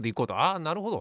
あなるほど。